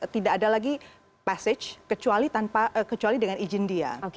tidak ada lagi passage kecuali dengan izin dia